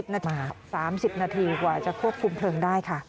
๒๐นาทีมา๓๐นาทีกว่าจะควบคุมเพลิงได้ค่ะ